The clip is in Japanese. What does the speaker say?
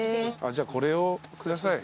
じゃあこれを下さい。